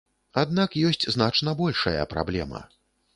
Аднак ёсць значна большая праблема.